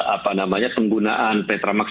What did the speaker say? apa namanya penggunaan petra max